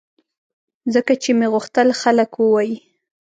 ځکه چې مې غوښتل خلک ووایي